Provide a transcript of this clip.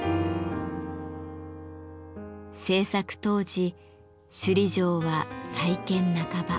制作当時首里城は再建半ば。